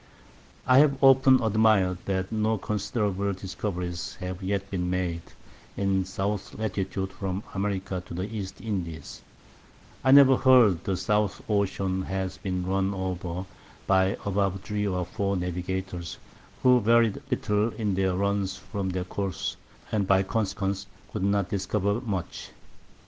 I have often admir'd that no considerable Discoveries have yet been made in South Latitude from America to the East Indies: I never heard the South Ocean has been run over by above three or four Navigators, who varied little in their Runs from their Course, and by consequence could not discover much.